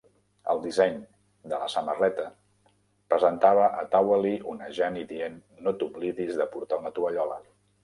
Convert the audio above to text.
El disseny de la samarreta presentava a Towelie onejant i dient "No t'oblidis de portar una tovallola!".